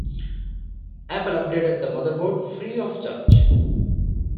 Apple upgraded the motherboard free of charge.